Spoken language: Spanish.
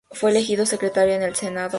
Fue elegido secretario en el Senado.